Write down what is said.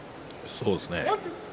そうですね。